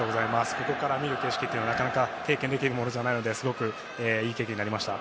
ここから見る景色というのはなかなか経験できるものではないのですごくいい経験になりました。